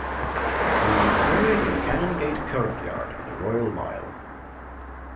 He is buried in Canongate Kirkyard on the Royal Mile.